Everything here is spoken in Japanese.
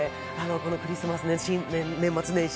このクリスマス、年末年始